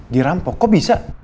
dirampok kok bisa